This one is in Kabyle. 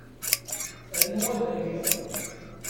Rnu aberkan.